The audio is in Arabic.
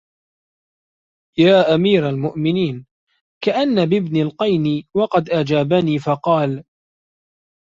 يَا أَمِيرَ الْمُؤْمِنِينَ كَأَنَّ بِابْنِ الْقَيْنِ وَقَدْ أَجَابَنِي فَقَالَ